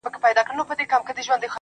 دا بېچاره به ښـايــي مــړ وي~